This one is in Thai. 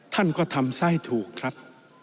ท่านก็ทำไส้ถูกครับ